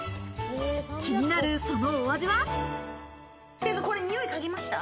気になるそのお味は？